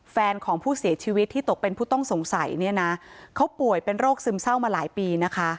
แฟนของผู้เสียชีวิตที่ตกเป็นผู้ต้องสงสัยเนี่ยนะเขาป่วยเป็นโรคซึมเศร้ามาหลายปีนะคะ